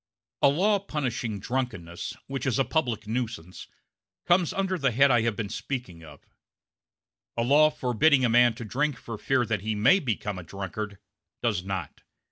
A law punishing drunkenness, which is a public nuisance, comes under the head I have been speaking of; a law forbidding a man to drink for fear that he may become a drunkard does not.